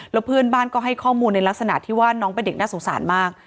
แล้วเพื่อนบ้านก็ให้ข้อมูลในลักษณะที่ว่าน้องเป็นเด็กน่าสงสารมาก